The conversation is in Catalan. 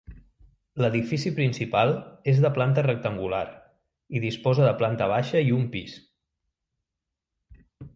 L'edifici principal és de planta rectangular i disposa de planta baixa i un pis.